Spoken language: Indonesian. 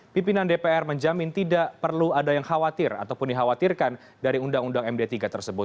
pimpinan dpr menjamin tidak perlu ada yang khawatir ataupun dikhawatirkan dari undang undang md tiga tersebut